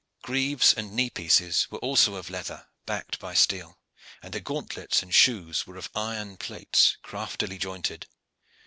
Greaves and knee pieces were also of leather backed by steel, and their gauntlets and shoes were of iron plates, craftily jointed.